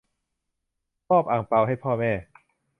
มอบอั่งเปาให้พ่อแม่